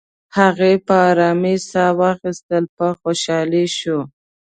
هغې د آرامی ساه واخیستل، په خوشحالۍ شوه.